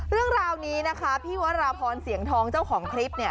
เรื่องราวนี้นะคะพี่วราพรเสียงทองเจ้าของคลิปเนี่ย